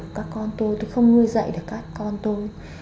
tôi đẻ ra được các con tôi tôi không ngươi dạy được các con tôi